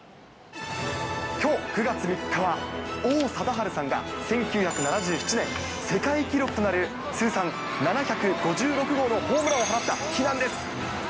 きょう９月３日は、王貞治さんが１９７７年、世界記録となる通算７５６号のホームランを放った日なんです。